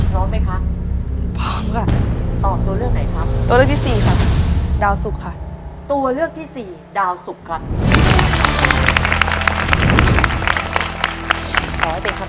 ร้องไม๊คะ